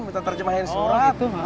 minta terjemahin surat